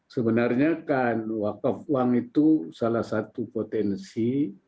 sebenarnya kan wakaf uang itu salah satu potensi